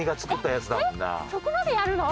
そこまでやるの！？